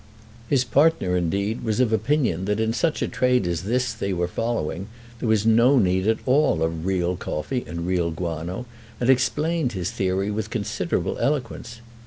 His partner, indeed, was of opinion that in such a trade as this they were following there was no need at all of real coffee and real guano, and explained his theory with considerable eloquence.